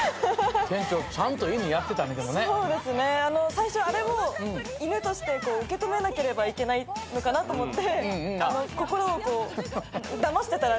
最初あれを犬として受け止めなければいけないのかなと思って心をだましてたら。